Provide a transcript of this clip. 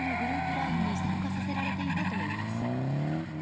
ＬＩＮＥに参加させられていたといいます。